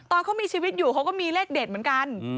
ตอนเขามีชีวิตอยู่เขาก็มีเลขเด็ดเหมือนกัน